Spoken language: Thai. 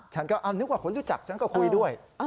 ฉันก็นึกว่าคนรู้จักฉันก็คุยด้วย